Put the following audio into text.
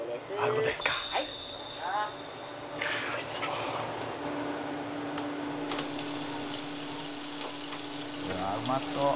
「うわあうまそう」